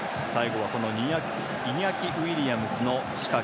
最後はイニャキ・ウィリアムズ。